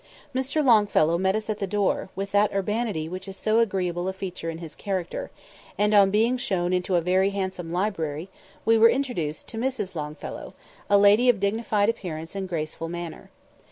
Mr. Longfellow met us at the door, with that urbanity which is so agreeable a feature in his character, and, on being shown into a very handsome library, we were introduced to Mrs. Longfellow, a lady of dignified appearance and graceful manner.